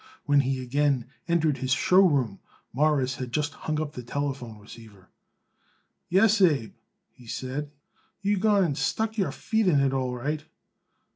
When he again entered his show room Morris had just hung up the telephone receiver. "Yes, Abe," he said, "you've gone and stuck your feet in it all right."